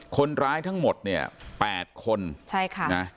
คนร้ายทั้งหมด๘คน